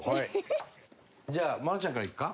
じゃあ愛菜ちゃんからいくか？